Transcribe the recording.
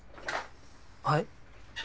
はい？